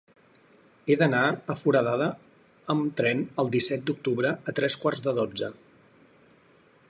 He d'anar a Foradada amb tren el disset d'octubre a tres quarts de dotze.